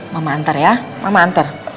mama antar ya mama antar